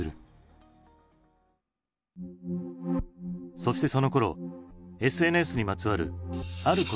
そしてそのころＳＮＳにまつわるある言葉が注目される。